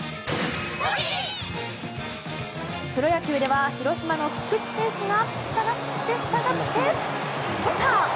プロ野球では広島の菊池選手が下がって、下がって、とった！